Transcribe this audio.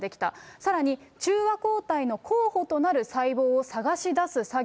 さらに、中和抗体の候補となる細胞を探し出す作業。